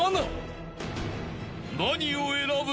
［何を選ぶ？］